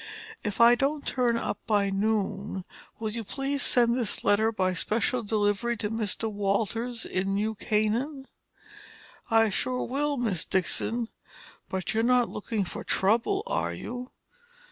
If I don't turn up by noon, will you please send this letter by special delivery to Mr. Walters in New Canaan?" "I sure will, Miss Dixon. But you're not lookin' for trouble, are you?"